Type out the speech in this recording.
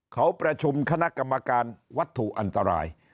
เขาประชุมคณะกรรมการวัตถุอันตราย